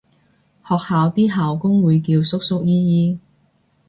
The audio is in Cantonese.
學校啲校工會叫叔叔姨姨